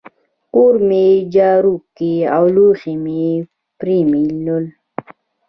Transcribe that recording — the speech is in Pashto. کور مي جارو کی او لوښي مي پرېولل.